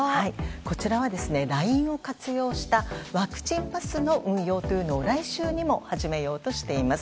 こちらはＬＩＮＥを活用したワクチンパスの運用というのを来週にも始めようとしています。